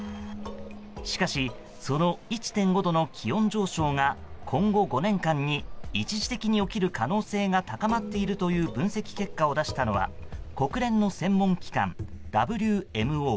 しかし、その１．５度の気温上昇が今後５年間に一時的に起きる可能性が高まっているという分析結果を出したのは国連の専門機関、ＷＭＯ。